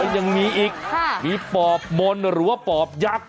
ยังมีอีกมีปอบมนต์หรือว่าปอบยักษ์